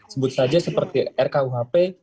sebut saja seperti rkuhp